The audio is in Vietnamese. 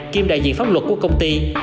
kiêm đại diện pháp luật của công ty